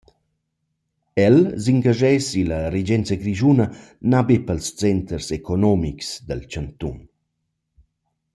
El s’ingaschess illa regenza grischuna na be pels centers economics dal chantun.